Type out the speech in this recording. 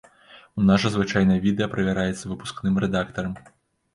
У нас жа звычайна відэа правяраецца выпускным рэдактарам.